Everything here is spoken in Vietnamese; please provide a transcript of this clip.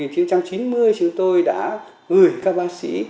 chúng tôi đã gửi các bác sĩ